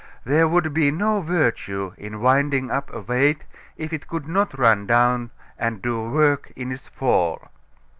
There would be no virtue in winding up a weight if it could not run down and do work in its fall.